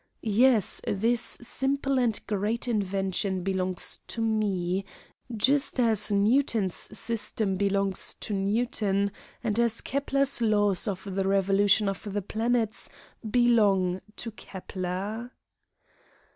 Yes, this simple and great invention belongs to me, just as Newton's system belongs to Newton, and as Kepler's laws of the revolution of the planets belong to Kepler.